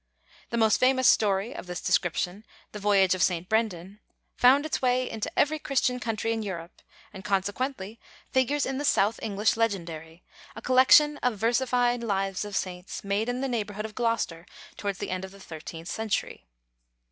The most famous story of this description, the_ Voyage of St. Brendan_, found its way into every Christian country in Europe, and consequently figures in the South English Legendary, a collection of versified lives of saints made in the neighborhood of Gloucester towards the end of the thirteenth century.